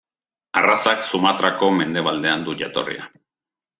Arrazak Sumatrako mendebaldean du jatorria.